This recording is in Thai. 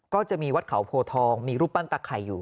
ก็จะมีวัดเขาโพทองมีรูปปั้นตาไข่อยู่